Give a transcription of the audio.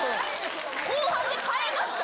・後半で変えました？